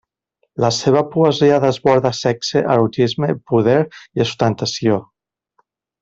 La seva poesia desborda sexe, erotisme, poder i ostentació.